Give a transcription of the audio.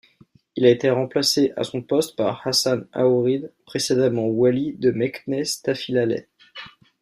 Il a été remplacé à son poste par Hassan Aourid, précédemment wali de Meknès-Tafilalet.